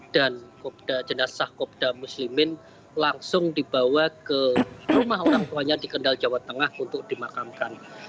dan jenazah kopda muslimin langsung dibawa ke rumah orang tuanya di kendal jawa tengah untuk dimakamkan